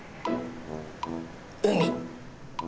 海。